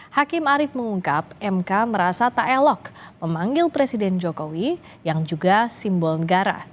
hakim arief mengungkap mk merasa tak elok memanggil presiden jokowi yang juga simbol negara